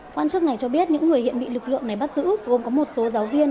quan chức này cho biết những người hiện bị lực lượng này bắt giữ gồm có một số giáo viên